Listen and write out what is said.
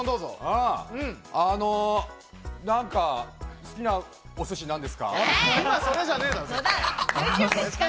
何か好きなお寿司なんですか？